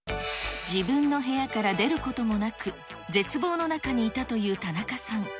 自分の部屋から出ることもなく、絶望の中にいたという田中さん。